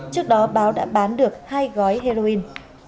trước đó báo đã bán được hai gói heroin